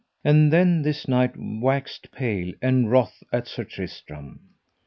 And then this knight waxed pale and wroth at Sir Tristram.